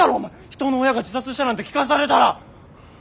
人の親が自殺したなんて聞かされたら。